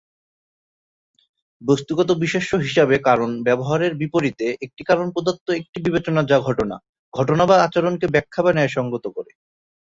বস্তুগত বিশেষ্য হিসাবে "কারণ" ব্যবহারের বিপরীতে, একটি কারণ প্রদত্ত একটি বিবেচনা যা ঘটনা, ঘটনা বা আচরণকে ব্যাখ্যা বা ন্যায়সঙ্গত করে।